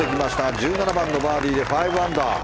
１７番のバーディーで５アンダー。